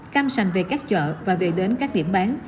cam sành về các chợ và về đến các điểm bán